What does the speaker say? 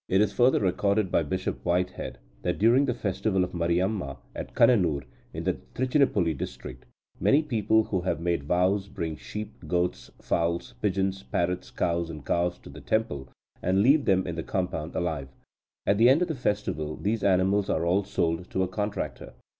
It is further recorded by Bishop Whitehead that, during the festival of Mariamma at Kannanur in the Trichinopoly district, "many people who have made vows bring sheep, goats, fowls, pigeons, parrots, cows, and calves, to the temple, and leave them in the compound alive. At the end of the festival, these animals are all sold to a contractor.